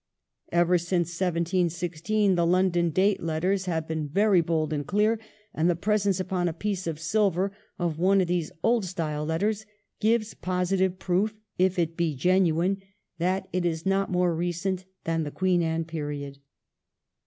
Ever since 1716, the London date letters have been very bold and clear, and the presence upon a piece of silver of one of these old style letters gives positive proof, if it be genuine, that it is not more recent than the Queen Anne period.'